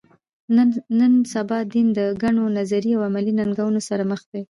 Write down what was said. نن سبا دین له ګڼو نظري او عملي ننګونو سره مخ دی.